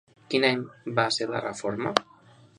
Quin any va ser la reforma?